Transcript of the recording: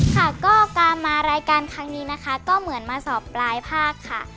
ค่ะก็การมารายการครั้งนี้นะคะก็เหมือนมาสอบปลายภาคค่ะ